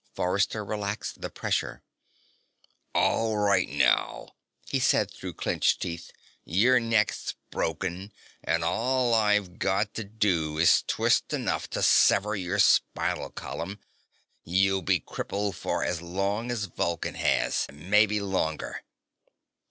Forrester relaxed the pressure. "All right, now," he said through clenched teeth. "Your neck's broken, and all I've got to do is twist enough to sever your spinal column. You'll be crippled for as long as Vulcan has maybe longer."